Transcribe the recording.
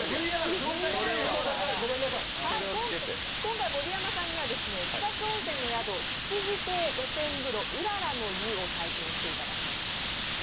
今回、盛山さんには草津温泉の宿、つつじ亭露天風呂うららの湯を体験してもらっています。